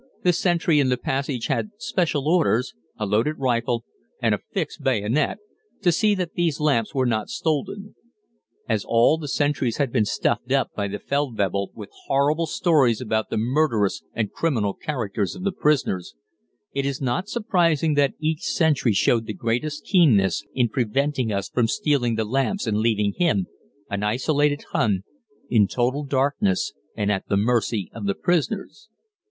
the sentry in the passage had special orders, a loaded rifle, and a fixed bayonet, to see that these lamps were not stolen. As all the sentries had been stuffed up by the Feldwebel with horrible stories about the murderous and criminal characters of the prisoners, it is not surprising that each sentry showed the greatest keenness in preventing us from stealing the lamps and leaving him, an isolated Hun, in total darkness and at the mercy of the prisoners.